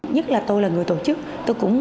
nhất là tôi là người tổ chức